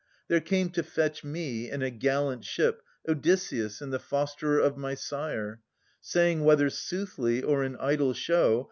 There came to fetch me, in a gallant ship, Odysseus and the fosterer of my sire^ Saying, whether soothly, or in idle show.